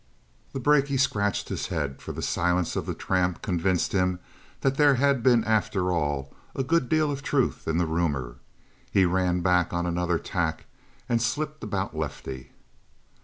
The brakie scratched his head, for the silence of the tramp convinced him that there had been, after all, a good deal of truth in the rumor. He ran back on another tack and slipped about Lefty.